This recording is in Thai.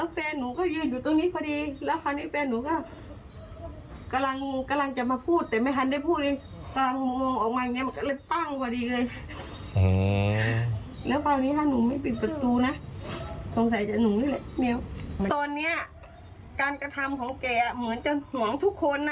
ตอนนี้การกระทำของเก่าเหมือนจะหวังทุกคน